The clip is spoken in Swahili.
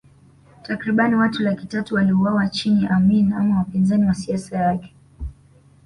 Takriban watu laki tatu waliuawa chini ya Amin ama wapinzani wa siasa yake